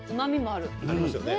ありますよね。